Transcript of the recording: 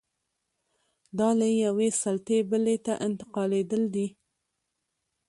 دا له یوې سلطې بلې ته انتقالېدل دي.